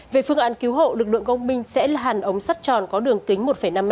về phương án cứu hộ lực lượng công minh sẽ làn ống sắt tròn có đường kính một năm m